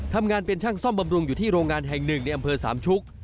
ทำงานเป็นช่างซ่อมบำรุงอยู่ที่โรงงานแห่งหนึ่งในอำเภอสามชุก